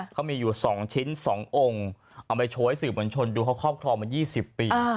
เขามีอยู่๒ชิ้น๒องค์เอาไปโชว์ให้สื่อมวลชนดูเขาครอบครองมา๒๐ปี